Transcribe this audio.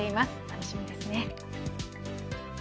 楽しみですね。